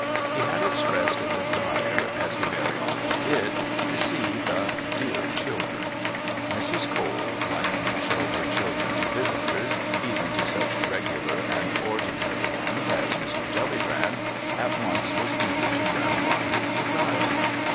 He had expressed a desire, as he very often did, to see the "dear children." Mrs. Cole, liking to show her children to visitors, even to such regular and ordinary ones as Mr. Jellybrand, at once was eager to gratify his desire.